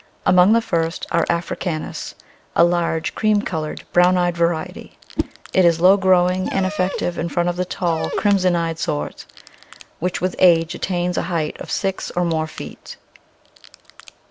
Among the first are Africanus, a large cream coloured, brown eyed variety; it is low growing and effective in front of the tall, crimson eyed sort, which with age attains a height of six or more feet.